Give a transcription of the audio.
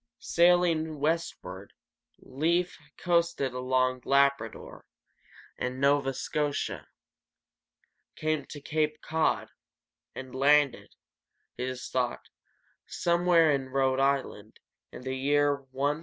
Sailing westward, Leif coasted along Lab ra dor´ and No´va Sco´tia, came to Cape Cod (map, page 189), and landed, it is thought, somewhere in Rhode Island, in the year 1001.